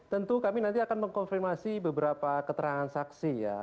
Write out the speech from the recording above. tentu kami nanti akan mengkonfirmasi beberapa keterangan saksi ya